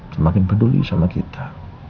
semakin peduli sama kita